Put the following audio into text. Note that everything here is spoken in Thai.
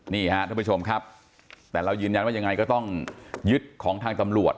นี่ฮะท่านผู้ชมครับแต่เรายืนยันว่ายังไงก็ต้องยึดของทางตำรวจ